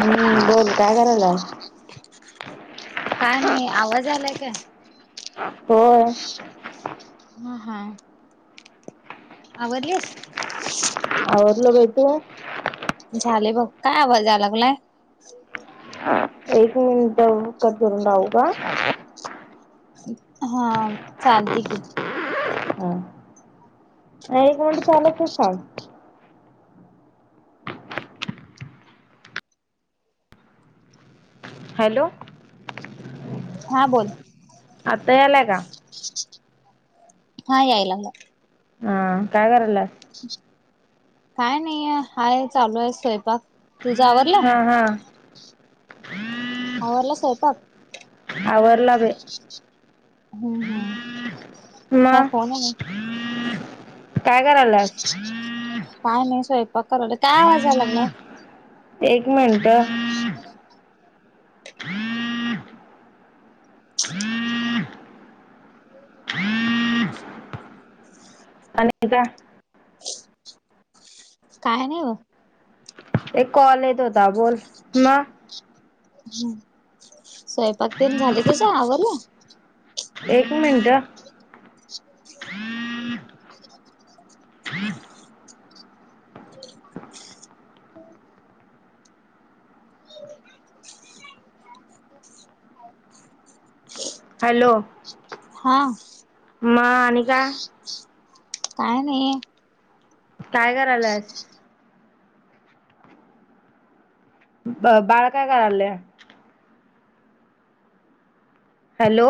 हम्.... बोल काय करताय? काय नाही आवाज आलाय का? हो हा- हा आवरलीस? हो झाले बघ, काय आवाज यालाला लागलाय? एक मिनिट करुन राहू का? हा चालते की. हा नाही एक म्हट चालच सांग [inaudible] हॅलो हा बोल आता येतं आहे का? हा, येतं आहे हा, काय करत आहे? काय नाही, आहे चालू आहे, स्वयंपाक तुझ आवरल हम् आवरला स्वयंपाक? आवरला बाई हम्म हम्म का मग फोन काय करायलास काय नाही स्वयंपाक स्वयंपाक करायलो काय आवाज यायला लागलाय? एक मिनटं आणि काय? काय नाही बघ. एक कॉल येत होता बोल मग स्वयंपाक तेन झालं तुझ आवरलं तुझं? [inaudible] एक मिनटं [inaudible] हॅलो हा म आणि काय काय नाही. काय करायलास. बा बाळ काय करायल hello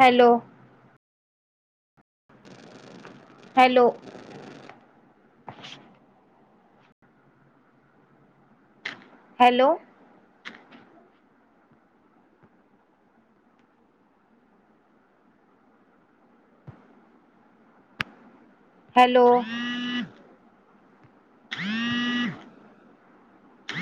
hello hello hello hello